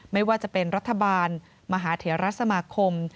ไม่ว่าจะเป็นรัฐบาลมหาเถระสมาคม